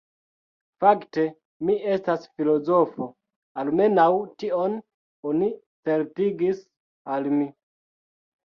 Fakte mi estas filozofo, almenaŭ tion oni certigis al mi.